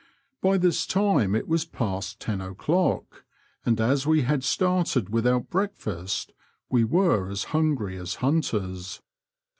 By this time it was past ten o'clock, and as we had started without breakfast we were as hungry as hunters.